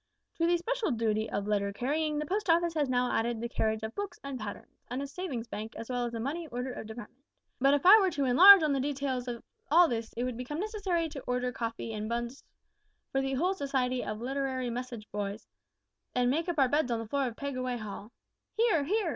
"To the special duty of letter carrying the Post Office has now added the carriage of books and patterns, and a Savings Bank as well as a Money Order department; but if I were to enlarge on the details of all this it would become necessary to order coffee and buns for the whole Society of literary message boys, and make up our beds on the floor of Pegaway Hall (Hear! hear!